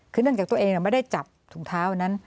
คือเนื่องจากตัวเองไม่ได้จับถุงเท้าอันนั้น